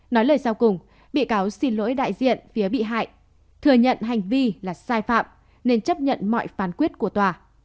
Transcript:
nói lời sau cùng bị cáo xin lỗi đại diện phía bị hại thừa nhận hành vi là sai phạm nên chấp nhận mọi phán quyết của tòa